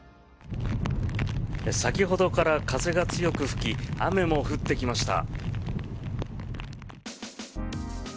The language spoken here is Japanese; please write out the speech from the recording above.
先ほどから風が強く吹き雨も降ってきました。